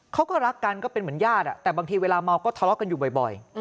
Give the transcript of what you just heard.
เขาก็รักกันก็เป็นเหมือนญาติแต่บางทีเวลาเมาก็ทะเลาะกันอยู่บ่อย